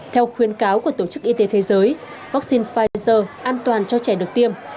theo khuyến cáo của tổ chức y tế thế giới vaccine pfizer an toàn cho trẻ được tiêm